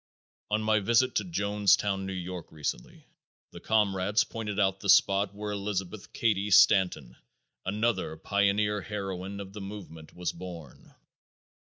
On my visit to Johnstown, N. Y., recently, the comrades pointed out the spot where Elizabeth Cady Stanton, another pioneer heroine of the movement, was born.